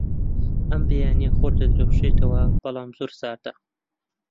ئەم بەیانییە خۆر دەدرەوشێتەوە، بەڵام زۆر ساردە.